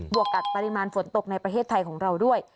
วกกับปริมาณฝนตกในประเทศไทยของเราด้วย